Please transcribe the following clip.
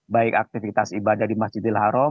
baik aktivitas ibadah di masjidil haram